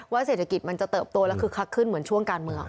เศรษฐกิจมันจะเติบโตและคึกคักขึ้นเหมือนช่วงการเมือง